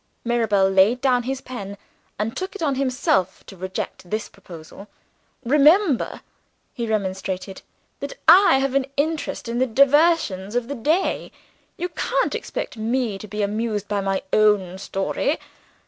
Mirabel laid down his pen and took it on himself to reject this proposal. "Remember," he remonstrated, "that I have an interest in the diversions of the day. You can't expect me to be amused by my own story.